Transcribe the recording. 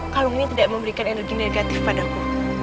kalung ini tidak memberikan energi negatif padaku